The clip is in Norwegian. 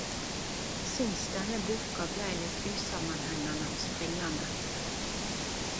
Syns denne boka blei litt usamanhengande og springande.